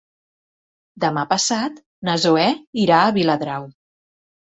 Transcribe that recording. Demà passat na Zoè irà a Viladrau.